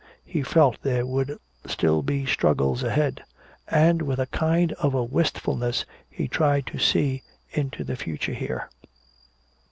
He felt there would still be struggles ahead. And with a kind of a wistfulness he tried to see into the future here.